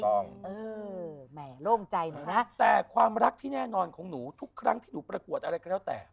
เออแหม่โล่งใจหน่อยนะแต่ความรักที่แน่นอนของหนูทุกครั้งที่หนูประกวดอะไรก็แล้วแต่